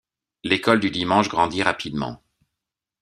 L’école du dimanche grandit rapidement.